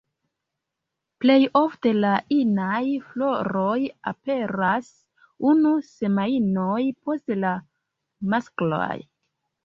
Plej ofte la inaj floroj aperas unu semajnon post la masklaj.